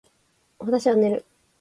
私は寝る